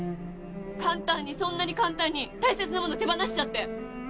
簡単にそんなに簡単に大切なもの手放しちゃって。